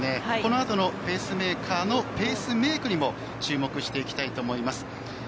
このあとのペースメーカーのペースメークにも注目していきたいと思います。